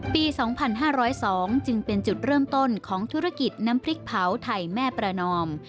๒๕๐๒จึงเป็นจุดเริ่มต้นของธุรกิจน้ำพริกเผาไทยแม่ประนอม